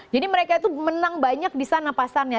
jadi mereka itu menang banyak di sana pasarnya